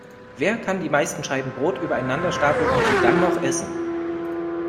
Wer kann die meisten Scheiben Brot übereinander stapeln und sie dann noch essen?